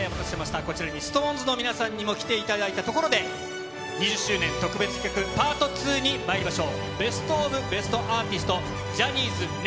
こちらにＳｉｘＴＯＮＥＳの皆さんにも来ていただいたところで２０周年特別企画パート２にまいりましょう。